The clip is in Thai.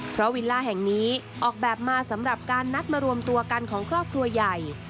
เพราะวิลล่าแห่งนี้ออกแบบมาสำหรับการนัดมารวมตัวกันของครอบครัวใหญ่